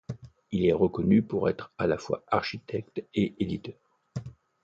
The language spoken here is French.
Il est reconnu pour être à la fois architecte et éditeur.